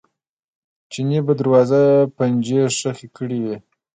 چیني په دروازه پنجې ښخې کړې وې.